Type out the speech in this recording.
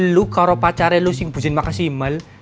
lo kalau pacarnya lo yang buzin makasimal